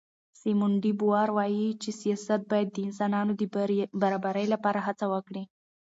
سیمون ډي بووار وایي چې سیاست باید د انسانانو د برابرۍ لپاره هڅه وکړي.